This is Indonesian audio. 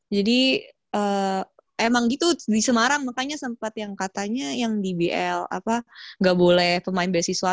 jadi emang gitu di semarang makanya sempet yang katanya yang di bl apa gak boleh pemain beasiswa